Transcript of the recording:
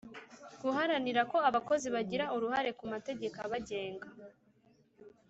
Guharanira ko abakozi bagira uruhare ku mategeko abagenga